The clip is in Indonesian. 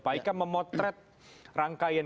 pak eka memotret rangkaian